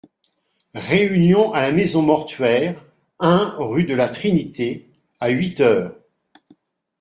Réunion à la maison mortuaire, un, rue de la Trinité, à huit h.